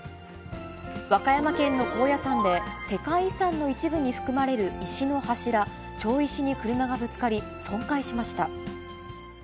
和歌山県の高野山で、世界遺産の一部に含まれる石の柱、町石に車がぶつかり、損壊しました。